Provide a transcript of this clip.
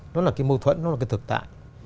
nó là cái mâu thuẫn nó là cái thực tại